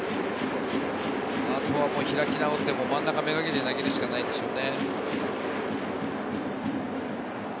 あとは開き直って真ん中をめがけて投げるしかないでしょうね。